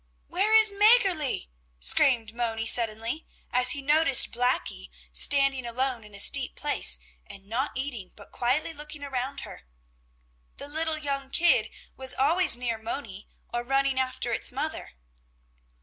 "Where is Mäggerli?" screamed Moni suddenly, as he noticed Blackie standing alone in a steep place, and not eating, but quietly looking around her. The little young kid was always near Moni, or running after its mother.